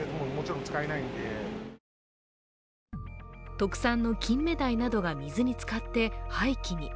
特産の金目鯛などが水につかって廃棄に。